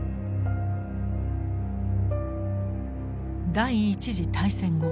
第一次大戦後